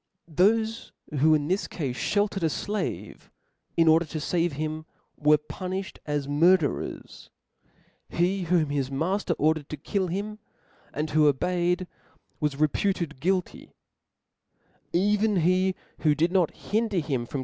Thofe who, in this cafe, fheltered a flave, in order to fave him, (9)Leg.C were puniftied as murderers (*) 5 he whom his ^""^^^"' matter * ordered to kill him, and who obeyed, was nat. Con reputed guilty ; even he who did not hinder him from •^?)